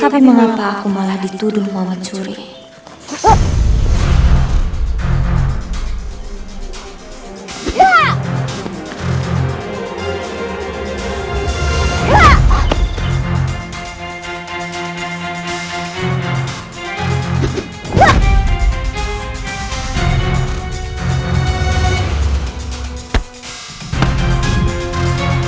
tapi mengapa aku malah dituduh mau mencuri